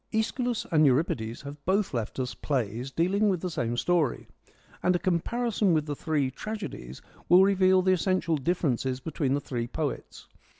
iEschylus and Euripides have both left us plays dealing with the same story, and a comparison with the three tragedies will reveal the essential differences between the three poets.